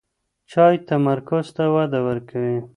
چای تمرکز ته وده ورکوي.